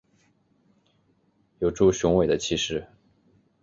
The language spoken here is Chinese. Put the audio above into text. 有著雄伟的气势